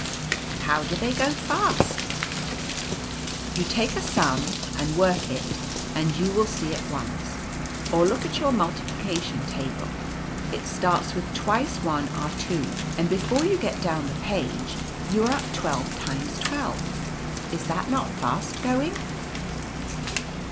" How do they go fast ?". "You take a sum and work it and you will see at once. Or look at your multiplication table ; it starts with twice one are two, and before you get down the page you are at twelve times twelve. Is that not fast going